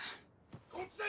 ・こっちだ！